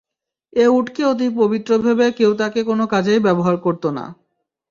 এ উটকে অতি পবিত্র ভেবে কেউ তাকে কোন কাজেই ব্যবহার করত না।